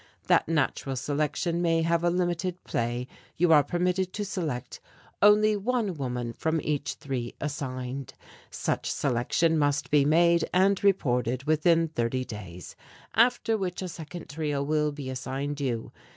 That natural selection may have a limited play you are permitted to select only one woman from each three assigned. Such selection must be made and reported within thirty days, after which a second trio will be assigned you.